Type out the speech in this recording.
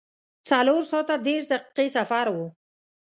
څلور ساعته دېرش دقیقې سفر و.